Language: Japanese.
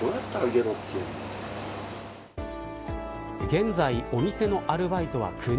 現在、お店のアルバイトは９人。